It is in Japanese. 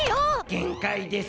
げんかいです。